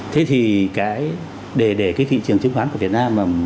thế thì cái để cái thị trường chứng khoán của việt nam mà